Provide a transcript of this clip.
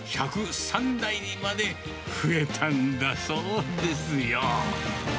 １０３台にまで増えたんだそうですよ。